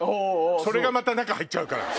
それがまた中入っちゃうから。